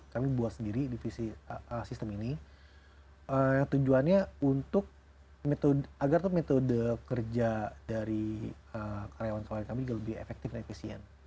kami buat sendiri divisi sistem ini yang tujuannya agar tuh metode kerja dari karyawan kemarin lebih efektif dan efisien